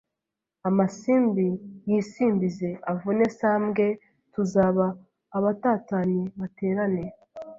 Amasimbi yisimbize avune sambwe Tabaza abatatanye baterane